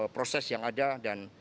proses yang ada dan